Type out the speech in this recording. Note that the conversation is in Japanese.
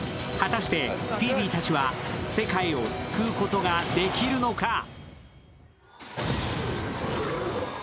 果たしてフィービーたちは世界を救うことができるのか。